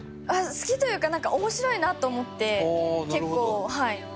好きというか面白いなと思って結構はい。